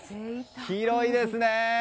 広いですね！